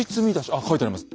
あっ書いてあります。